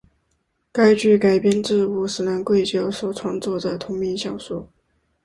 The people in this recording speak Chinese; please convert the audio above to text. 该剧改编自五十岚贵久所创作的同名小说。